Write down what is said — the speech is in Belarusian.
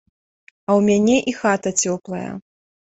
А ў мяне і хата цёплая.